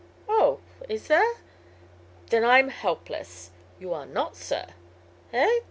"Oh, is there? Then I'm helpless." "You are not, sir." "Eh?